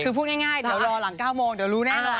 คือพูดง่ายเดี๋ยวรอหลัง๙โมงเดี๋ยวรู้แน่นอน